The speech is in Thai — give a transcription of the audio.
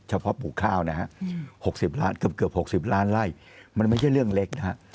ปลูกข้าวนะฮะ๖๐ล้านเกือบ๖๐ล้านไล่มันไม่ใช่เรื่องเล็กนะฮะ